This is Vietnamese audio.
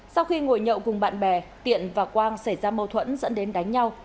sau khi ngồi nhậu cùng bạn bè tiện và quang xảy ra mâu thuẫn dẫn đến đánh nhau